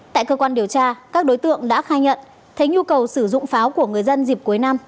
tại cơ quan điều tra các đối tượng đã khai nhận thấy nhu cầu sử dụng pháo của người dân dịp cuối năm